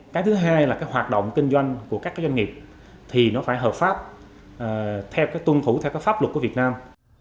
cái thứ hai là hoạt động kinh doanh của các doanh nghiệp thì nó phải hợp pháp tuân thủ theo pháp luật của việt nam